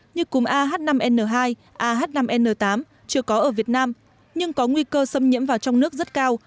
như cúm ah năm n hai ah năm n tám chưa có ở việt nam nhưng có nguy cơ xâm nhiễm vào trong nước rất cao